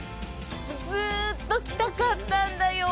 ずっと来たかったんだよ。